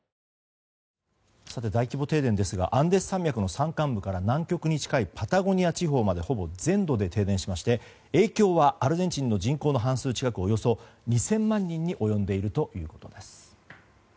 大規模停電ですがアンデス山脈の山間部から南極に近いパタゴニア地方までほぼ全土で停電しまして影響は、アルゼンチンの人口の半数近くおよそ２０００万人に及んでいるということです。